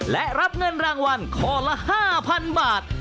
และรับเงินรางวัลข้อละ๕๐๐๐บาท